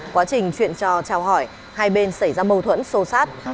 quá trình chuyện trò trao hỏi hai bên xảy ra mâu thuẫn sâu sát